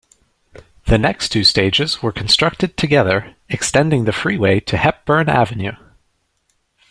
The next two stages were constructed together, extending the freeway to Hepburn Avenue.